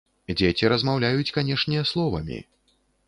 Дзеці размаўляюць, канешне, словамі.